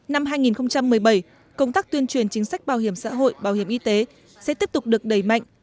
năm hai nghìn một mươi bảy công tác tuyên truyền chính sách bảo hiểm xã hội bảo hiểm y tế sẽ tiếp tục được đẩy mạnh